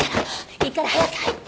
いいから早く入って！